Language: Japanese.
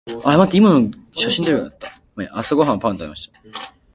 朝ごはんはパンを食べました。